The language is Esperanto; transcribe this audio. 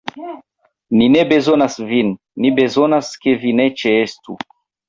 Ni ne bezonas vin; ni bezonas, ke vi ne ĉeestu.